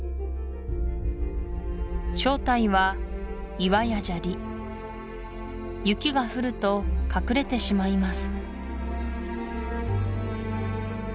正体は岩や砂利雪が降ると隠れてしまいます